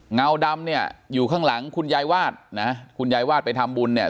เงาดำเนี่ยอยู่ข้างหลังคุณยายวาดนะคุณยายวาดไปทำบุญเนี่ย